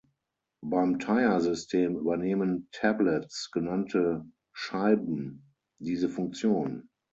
Beim Tyer-System übernehmen "Tablets" genannte Scheiben diese Funktion.